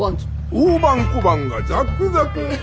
大判小判がザックザク！